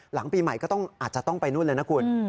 หลังปีใหม่ก็อาจจะต้องไปนู่นเลยนะคุณ